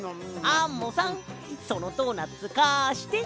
アンモさんそのドーナツかして。